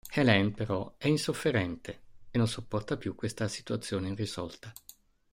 Hélène però è insofferente e non sopporta più questa situazione irrisolta.